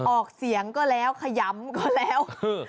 ออกเสียงก็แล้วขยำก็แล้ว